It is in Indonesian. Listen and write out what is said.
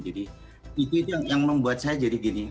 jadi itu yang membuat saya jadi gini